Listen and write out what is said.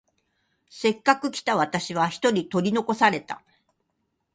せっかく来た私は一人取り残された。